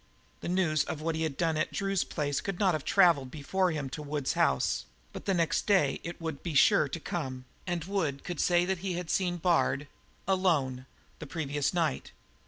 The news of what he had done at Drew's place could not have travelled before him to Wood's house; but the next day it would be sure to come, and Wood could say that he had seen Bard alone the previous night.